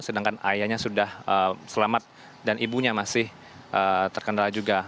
sedangkan ayahnya sudah selamat dan ibunya masih terkendala juga